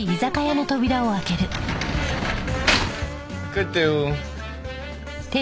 帰ったよ。